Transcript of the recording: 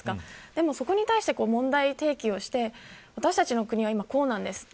でも、そこに対して問題提起をして私たちの国は今こうなんです。